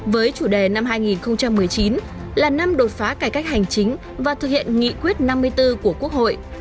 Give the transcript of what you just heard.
với chủ đề năm hai nghìn một mươi chín là năm đột phá cải cách hành chính và thực hiện nghị quyết năm mươi bốn của quốc hội